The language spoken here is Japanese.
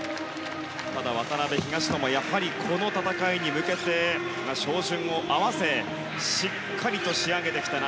ただ渡辺、東野もやっぱりこの戦いに向けて照準を合わせしっかりと仕上げてきたな。